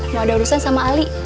gak ada urusan sama ali